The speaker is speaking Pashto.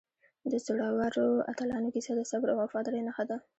د زړورو اتلانو کیسه د صبر او وفادارۍ نښه ده.